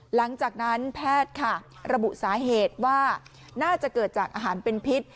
หลังจากนั้นแพทย์ค่ะระบุสาเหตุว่าน่าจะเกิดจากอาหารเป็นพิษ